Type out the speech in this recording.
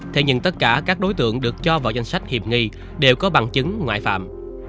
thế nhưng tất cả các đối tượng được cho vào danh sách hiệp nghi đều có bằng chứng ngoại phạm